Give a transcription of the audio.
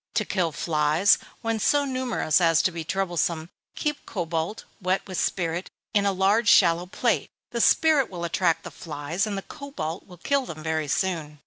To kill flies, when so numerous as to be troublesome, keep cobalt, wet with spirit, in a large shallow plate. The spirit will attract the flies, and the cobalt will kill them very soon.